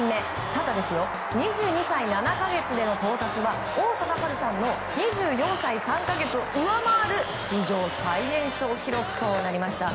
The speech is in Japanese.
ただ、２２歳７か月での到達は王貞治さんの２４歳３か月を上回る史上最年少記録となりました。